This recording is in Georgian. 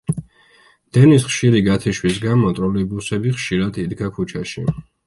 დენის ხშირი გათიშვის გამო ტროლეიბუსები ხშირად იდგა ქუჩაში.